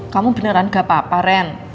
kamu beneran gak apa apa ren